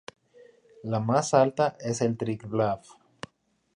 La más alta es el Triglav!